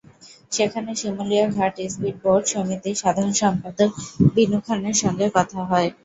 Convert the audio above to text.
সেখানে শিমুলিয়া ঘাট স্পিডবোট সমিতির সাধারণ সম্পাদক বিনু খানের সঙ্গে কথা হয়।